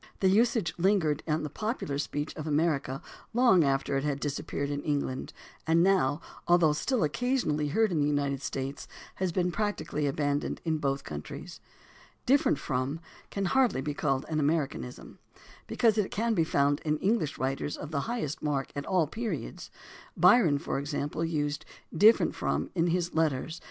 The usage lingered on in the popular speech of America long after it had disappeared in England, and now, although still occasionally heard in the United States, has been practically abandoned in both countries. "Different from" can hardly be called an American ism, because it can be found in English writers of the highest mark at all periods. Byron, for example, used "different from" in his letters (Prothero edition, vol. IV, p.